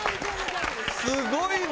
「すごいな！」